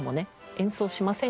演奏しませんか？